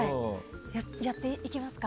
やっていきますか。